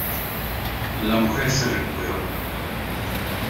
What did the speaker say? La mujer se recuperó.